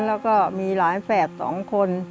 แล้วก็มีหลานแฝด๒คน